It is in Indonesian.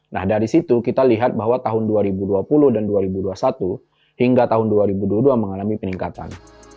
nah dari situ kita lihat bahwa tahun dua ribu dua puluh dan dua ribu dua puluh satu hingga tahun dua ribu dua puluh dua mengalami peningkatan